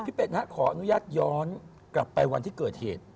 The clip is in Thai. เป็ดฮะขออนุญาตย้อนกลับไปวันที่เกิดเหตุ